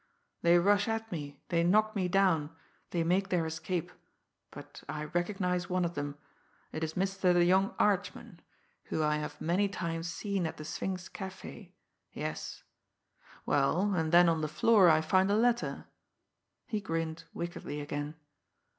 They rush at me, they knock me down, they make their escape, but I recognise one of them it is Mister the young Archman, who I have many times seen at The Sphinx Café yes. Well, and then on the floor I find a letter." He grinned wickedly again.